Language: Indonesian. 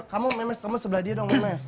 kamu memes kamu sebelah dia dong memes